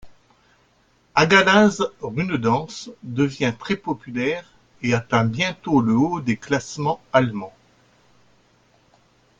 Hagalaz' Runedance devient très populaire et atteint bientôt le haut des classements allemands.